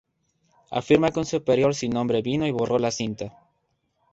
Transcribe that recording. Afirma que un superior sin nombre vino y borró la cinta.